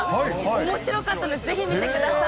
おもしろかったので、ぜひ見てください。